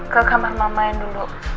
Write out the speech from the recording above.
ke kamar mama yang dulu